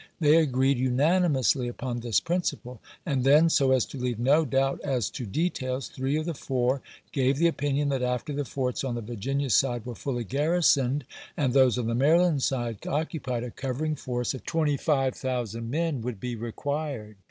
They agreed unanimously upon this principle, and then, so as to leave no doubt as to details, three of the four gave the opinion that after the forts on the Virginia side were fully garrisoned, and those on the Maryland side occupied, a covering force of 25,000 men would be required.